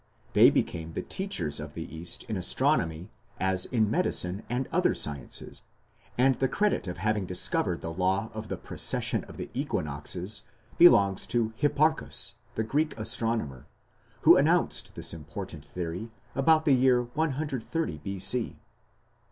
They became the teachers of the East in astronomy as in medicine and other sciences, and the credit of having discovered the law of the precession of the equinoxes belongs to Hipparchus, the Greek astronomer, who announced this important theory about the year 130 B.C."